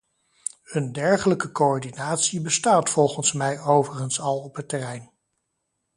Een dergelijke coördinatie bestaat volgens mij overigens al op het terrein.